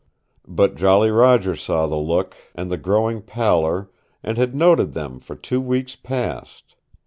But Jolly Roger saw the look, and the growing pallor, and had noted them for two weeks past.